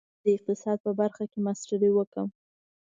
زه غواړم چې د اقتصاد په برخه کې ماسټري وکړم